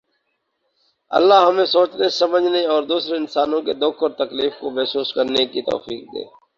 اللہ ہمیں سوچنے سمجھنے اور دوسرے انسانوں کے دکھ اور تکلیف کو محسوس کرنے کی توفیق دے